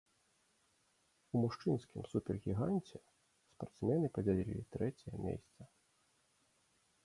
У мужчынскім супергіганце спартсмены падзялілі трэцяе месца.